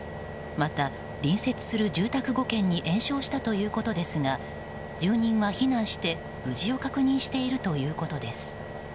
また隣接する住宅５軒に延焼したということですが十人は避難して無事を確認しているということです。